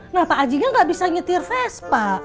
nah pak aji gak bisa nyetir vespa